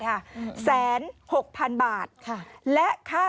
ก็ไม่เอาหน้าไม่กลัว